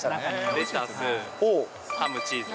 レタス、ハム、チーズ。